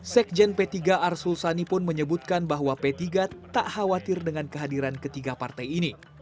sekjen p tiga arsul sani pun menyebutkan bahwa p tiga tak khawatir dengan kehadiran ketiga partai ini